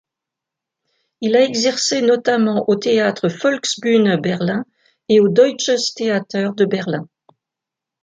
Il a exercé notamment au théâtre Volksbühne Berlin et au Deutsches Theater de Berlin.